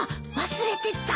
忘れてた。